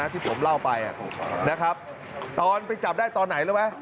ที่ผมเล่าไปนะครับตอนไปจับได้ตอนไหนรู้ไหม